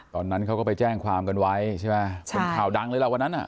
ตอนนั้นเขาก็ไปแจ้งความกันไว้ใช่ไหมเป็นข่าวดังเลยล่ะวันนั้นอ่ะ